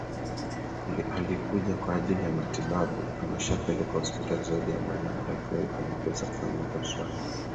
alikuja kwa ajili ya matibabuameshapelekwa hospitali zaidi ya moja madaktari walipendekeza afanyiwe upasuaji